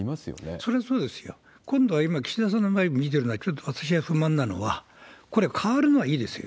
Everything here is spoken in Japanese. それはそうですよ。今度は今、岸田さんの場合見てて私が不満なのは、これ、変わるのはいいですよ。